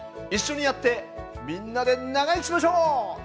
一緒にやってみんなで長生きしましょう！